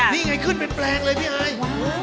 นี่ไงขึ้นเป็นแปลงเลยพี่อาย